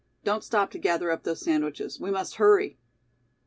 "Don't stop to gather up those sandwiches. We must hurry."